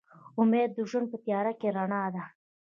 امید د ژوند په تیاره کې رڼا ده.